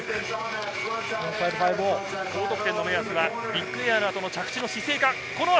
高得点の目安はビッグエアなどの着地の姿勢か。